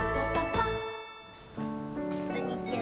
こんにちは。